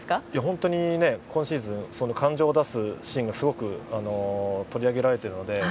本当に今シーズンは感情を出すシーンがすごく取り上げられているので。